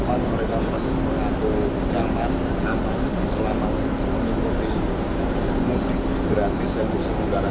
pembedaan kontrol data dosnya memerlukan reservasi perang